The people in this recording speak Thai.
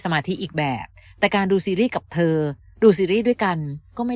มาธิอีกแบบแต่การดูซีรีส์กับเธอดูซีรีส์ด้วยกันก็ไม่